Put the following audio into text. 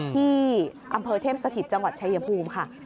ที่อำเภอเทพสถิตจังหวัดชายภูมิค่ะ